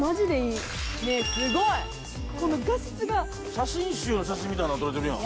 写真集の写真みたいなのが撮れてるやん。